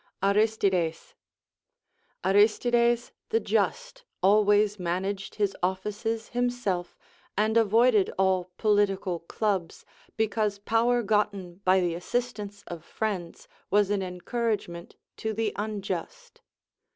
Aristides. Aristides the Just always managed liis offices himself, and avoided all political clubs, because poAver got ten by the assistance of friends was an encouragement to the unjust.